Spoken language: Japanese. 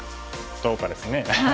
どうかですね。